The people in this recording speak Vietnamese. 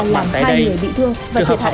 làm hai người bị thương và thiệt hại